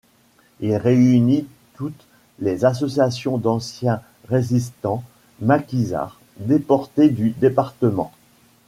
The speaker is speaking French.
Elle réunit toutes les associations d'anciens Résistants, Maquisards, Déportés du département.